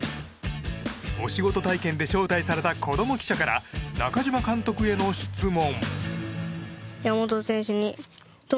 お仕事体験で招待された子供記者から中嶋監督への質問。